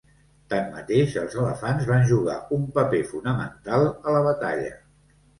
Tanmateix, els elefants van jugar un paper fonamental a la batalla.